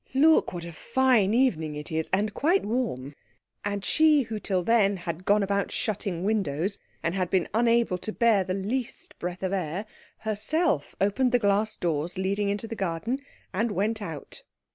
"Look what a fine evening it is and quite warm." And she who till then had gone about shutting windows, and had been unable to bear the least breath of air, herself opened the glass doors leading into the garden and went out.